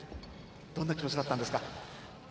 どんな気持ちだったんですか？